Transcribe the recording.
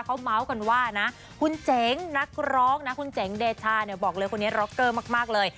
เขาเมาส์กันว่านะคุณเจ๋งนักร้องนะคุณเจ๋งเดชาเนี่ยบอกเลยคนนี้ร็อกเกอร์มากเลย